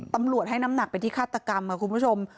ตำรวจให้น้ำหนักไปที่ฆาตกรรมค่ะคุณผู้ชม